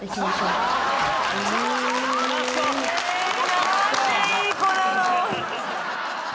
何ていい子なの。